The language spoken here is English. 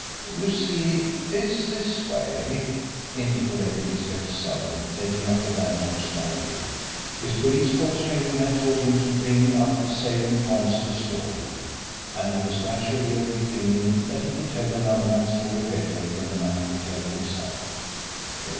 "You see, it's this way," interpolated Inspector Seldon, taking up the landlord's narrative. His police court training had taught him to bring out the salient points of a story, and he was naturally of the opinion that he could tell another man's story better than the man could tell it himself.